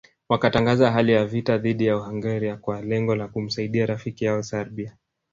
Wakatangaza hali ya vita dhidi ya Hungaria kwa lengo la kumsaidia rafiki yao Serbia